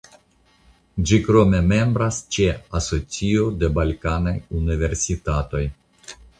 Ĝi krome membras ĉe "Asocio de balkanaj universitatoj".